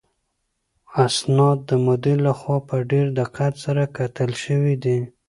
اسناد د مدیر لخوا په ډېر دقت سره کتل شوي دي.